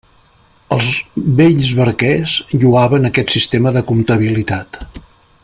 Els vells barquers lloaven aquest sistema de comptabilitat.